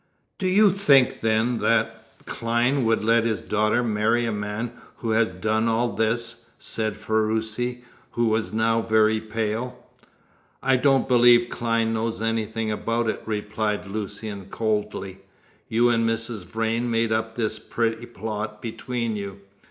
"Do you think, then, that Clyne would let his daughter marry a man who has done all this?" said Ferruci, who was now very pale. "I don't believe Clyne knows anything about it," replied Lucian coldly. "You and Mrs. Vrain made up this pretty plot between you.